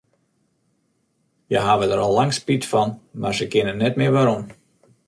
Hja hawwe dêr al lang spyt fan, mar se kinne net mear werom.